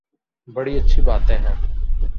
بڑی اچھی باتیں ہیں۔